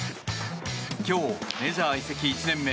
今日、メジャー移籍１年目